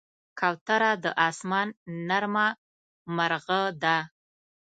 کوتره د آسمان نرمه مرغه ده.